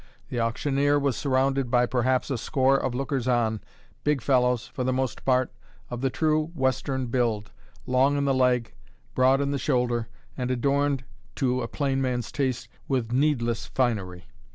The auctioneer was surrounded by perhaps a score of lookers on, big fellows, for the most part, of the true Western build, long in the leg, broad in the shoulder, and adorned (to a plain man's taste) with needless finery.